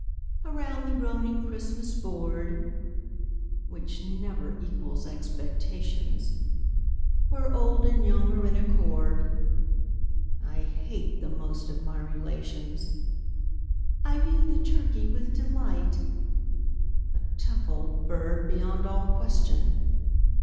_) Around the groaning Christmas board, (Which never equals expectations,) Where old and young are in accord (I hate the most of my relations!) I view the turkey with delight, (_A tough old bird beyond all question!